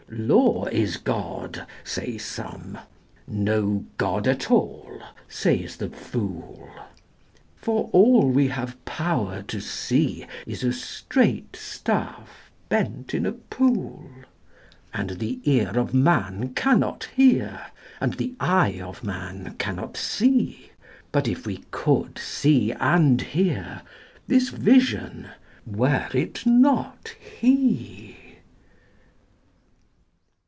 Law is God, say some: no God at all, says the fool; For all we have power to see is a straight staff bent in a pool; And the ear of man cannot hear, and the eye of man cannot see; But if we could see and hear, this Vision—were it not He?